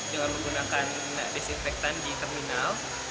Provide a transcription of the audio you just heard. dengan menggunakan disinfektan di terminal